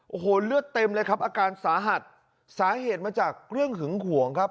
โอ้โหเลือดเต็มเลยครับอาการสาหัสสาเหตุมาจากเรื่องหึงห่วงครับ